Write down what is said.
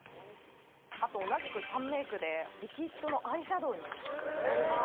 あと同じくキャンメイクでリキッドのアイシャドウになります